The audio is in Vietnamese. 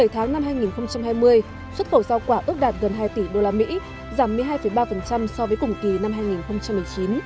bảy tháng năm hai nghìn hai mươi xuất khẩu giao quả ước đạt gần hai tỷ usd giảm một mươi hai ba so với cùng kỳ năm hai nghìn một mươi chín